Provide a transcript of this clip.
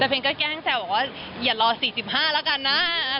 เพลงก็แกล้งแซวบอกว่าอย่ารอ๔๕แล้วกันนะ